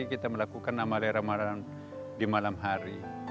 kita melakukan namalahi ramadan di malam hari